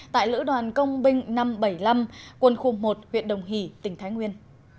tại lữ đoàn công binh năm trăm bảy mươi năm quân khu một huyện đồng hỷ tỉnh thái nguyên